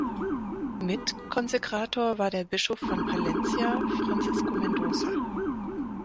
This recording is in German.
Mitkonsekrator war der Bischof von Palencia, Francisco Mendoza.